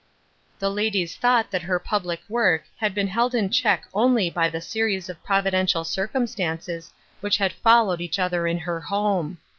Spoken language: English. The ladies thought that her public work had been held in check only by the series of providen tial circumstances which had followed each other in her home.